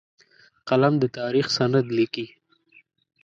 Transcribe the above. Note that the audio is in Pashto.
قلم د تاریخ سند لیکي